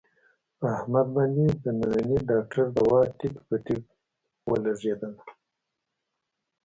په احمد باندې د ننني ډاکټر دوا ټیک په ټیک ولږېدله.